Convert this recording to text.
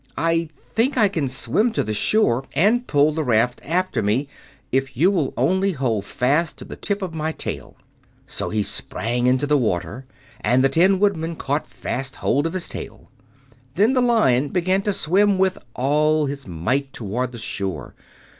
I think I can swim to the shore and pull the raft after me, if you will only hold fast to the tip of my tail." So he sprang into the water, and the Tin Woodman caught fast hold of his tail. Then the Lion began to swim with all his might toward the shore.